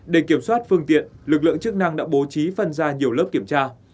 để kiểm soát phương tiện lực lượng chức năng đã bố trí phân ra nhiều lớp kiểm tra